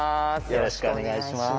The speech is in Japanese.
よろしくお願いします。